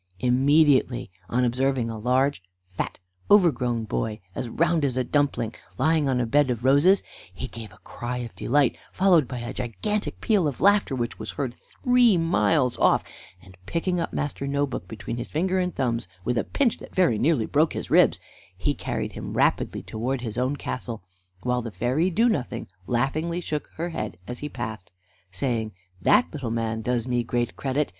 Immediately, on observing a large, fat, overgrown boy, as round as a dumpling, lying on a bed of roses, he gave a cry of delight, followed by a gigantic peal of laughter, which was heard three miles off, and picking up Master No book between his finger and thumb, with a pinch that very nearly broke his ribs, he carried him rapidly towards his own castle, while the fairy Do nothing laughingly shook her head as he passed, saying: "That little man does me great credit.